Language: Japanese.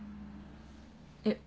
えっ？